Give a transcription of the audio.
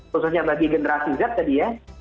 khususnya bagi generasi z tadi ya